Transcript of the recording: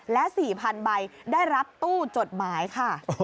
และ๔๐๐๐ใบได้รับตู้จดหมายค่ะ